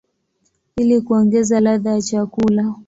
ili kuongeza ladha ya chakula.